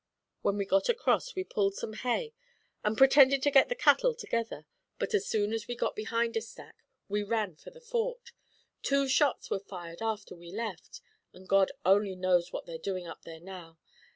When we got across we pulled some hay and pretended to get the cattle together, but as soon as we got behind a stack, we ran for the Fort. Two shots were fired after we left, and God only knows what they're doing up there now.